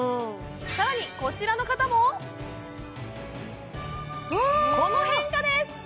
さらにこちらの方もこの変化です！